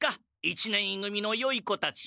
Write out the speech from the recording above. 一年い組のよい子たち？